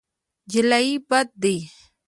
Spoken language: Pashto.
جلايي بد دی.